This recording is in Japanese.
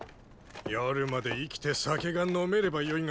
夜まで生きて酒が飲めればよいがな。